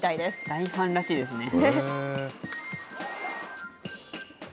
大ファンらしいですね。